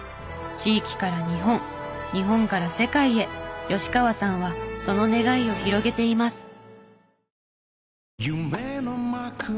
地域から日本日本から世界へ吉川さんはその願いを広げています。